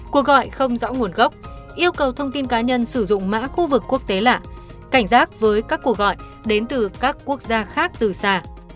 cuộc gọi không rõ nguồn gốc yêu cầu thông tin cá nhân sử dụng mã khu vực quốc tế lạ cảnh giác với các cuộc gọi đến từ các quốc gia khác từ xa